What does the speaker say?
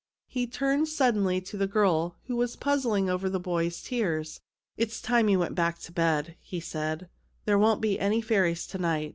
He turned suddenly to the girl, who was puzzling over the boy's tears. " It's time you went back to bed," he said ;" there won't be any fairies to night.